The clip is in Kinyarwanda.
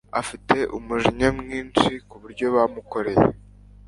Afite umujinya mwinshi kubyo bamukoreye.